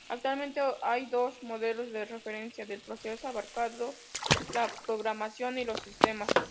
Actualmente hay dos modelos de referencia del proceso abarcando la programación y los sistemas.